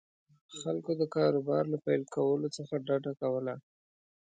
خلکو د کاروبار له پیل کولو څخه ډډه کوله.